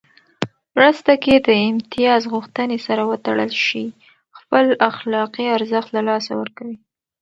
مرسته که د امتياز غوښتنې سره وتړل شي، خپل اخلاقي ارزښت له لاسه ورکوي.